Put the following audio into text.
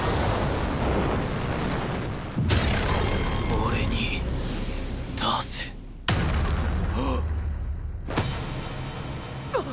俺に出せなっ！？